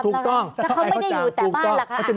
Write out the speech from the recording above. แล้วเขาไม่ได้อยู่แต่บ้านล่ะคะ